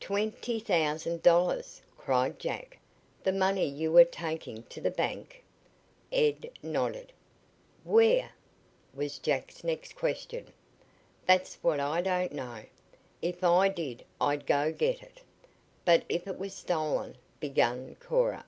"Twenty thousand dollars!" cried Jack. "The money you were taking to the bank?" Ed nodded. "Where?" was Jack's next question. "That's what I don't know. If I did I'd go get it." "But if it was stolen " began Cora.